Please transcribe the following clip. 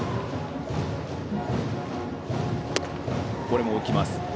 これも浮きます。